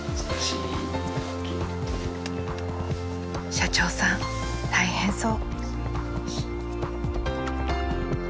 社長さん大変そう。